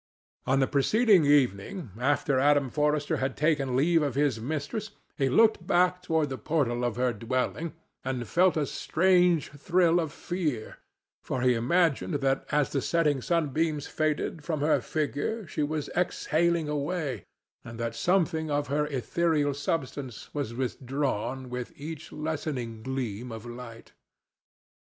On the preceding evening, after Adam Forrester had taken leave of his mistress, he looked back toward the portal of her dwelling and felt a strange thrill of fear, for he imagined that as the setting sunbeams faded from her figure she was exhaling away, and that something of her ethereal substance was withdrawn with each lessening gleam of light.